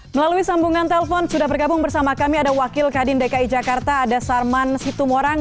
melalui sambungan telpon sudah bergabung bersama kami ada wakil kadin dki jakarta ada sarman situmorang